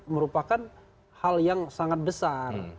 merupakan hal yang sangat besar